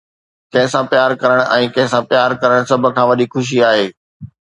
ڪنهن سان پيار ڪرڻ ۽ ڪنهن سان پيار ڪرڻ سڀ کان وڏي خوشي آهي.